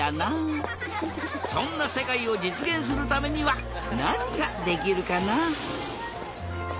そんなせかいをじつげんするためにはなにができるかな？